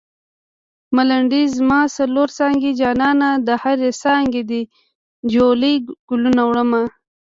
ملنډۍ: زما څلور څانګې جانانه د هرې څانګې دې جولۍ ګلونه وړمه